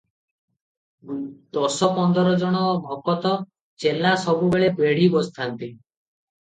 ଦଶ ପନ୍ଦର ଜଣ ଭକତ - ଚେଲା ସବୁବେଳେ ବେଢ଼ି ବସିଥାନ୍ତି ।